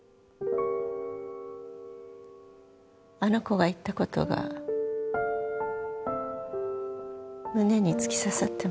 あの子が言った事が胸に突き刺さってます。